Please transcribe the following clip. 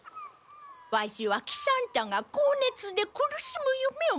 ワシは喜三太が高熱で苦しむ夢を見た。